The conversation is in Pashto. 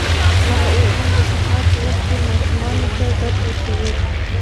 هغه اوس هم د سهار په وخت کې ماشومانو ته درس ورکوي